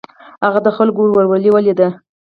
هغه د خلکو ورورولي ولیده.